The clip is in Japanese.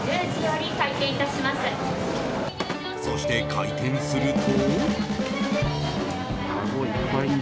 そして開店すると。